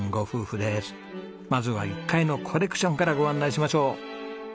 まずは１階のコレクションからご案内しましょう。